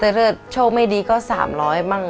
แต่ถ้าโชคไม่ดีก็๓๐๐๔๐๐บาทมั่ง